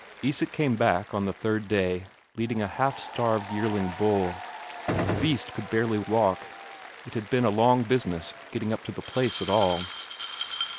Isak came back on the third day, leading a half starved yearling bull. The beast could hardly walk; it had been a long business getting up to the place at all.